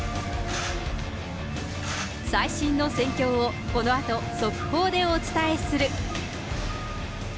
最新の戦況をこのあと速報でお伝えする。